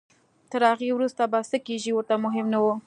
تر هغې وروسته به څه کېږي ورته مهم نه وو.